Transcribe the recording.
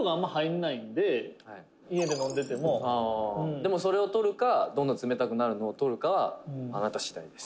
「でも、それを取るかどんどん冷たくなるのを取るかはあなた次第です」